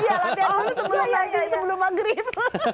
iya latihan dulu sebelum maghrib